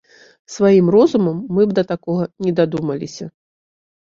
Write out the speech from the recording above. Сваім розумам мы б да такога не дадумаліся.